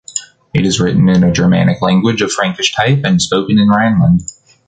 It is written in a Germanic language of Frankish type and spoken in Rhineland.